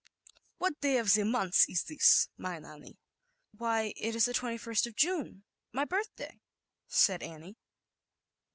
"What day of the month is this, mein Annie?" "Why, it is the 2ist of June, my birthday," said Annie.